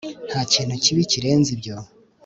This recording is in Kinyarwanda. Ntakintu kibi kirenze ibyo